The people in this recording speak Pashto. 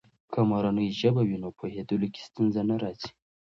که مورنۍ ژبه وي، نو پوهیدلو کې ستونزې نه راځي.